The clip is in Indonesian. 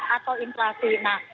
atau inflasi nah